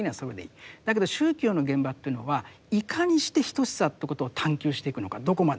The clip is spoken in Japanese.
だけど宗教の現場というのはいかにして等しさということを探究していくのかどこまでも。